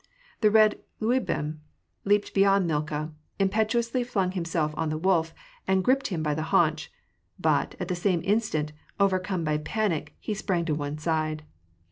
The red Liubim leaped beyond Milka, impetuously flung him self on the wolf, and gripped him by the haunch ; but, at the same instant, overcome by panic, he sprang to one side.